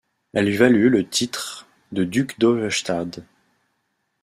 Elle lui valut le titre de duc d’Auerstæsdt.